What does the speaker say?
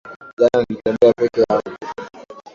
Jana nilitembea peke yangu